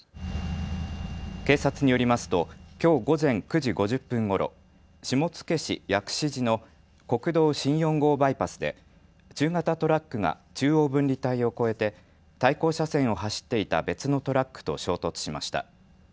警察によりますときょう午前９時５０分ごろ下野市薬師寺の国道新４号バイパスで中型トラックが中央分離帯を越えて対向車線を走っていた別のトラックと衝突しました。